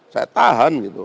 saya tahan gitu